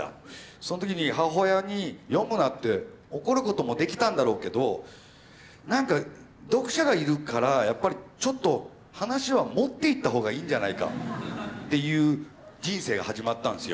その時に母親に読むなって怒ることもできたんだろうけどなんか読者がいるからやっぱりちょっと話は盛っていった方がいいんじゃないかっていう人生が始まったんですよ。